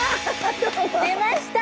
出ました！